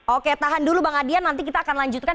oke tahan dulu bang adian nanti kita akan lanjutkan